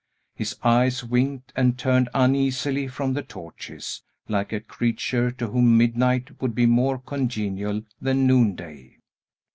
His eyes winked, and turned uneasily from the torches, like a creature to whom midnight would be more congenial than noonday.